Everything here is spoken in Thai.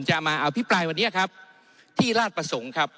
จะมาอภิปรายวันนี้ครับที่ราชประสงค์ครับ